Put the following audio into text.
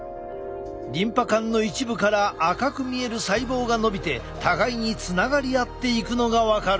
リンパ管の一部から赤く見える細胞がのびて互いにつながり合っていくのが分かる。